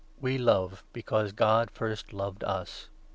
We love, 19 because God first loved us.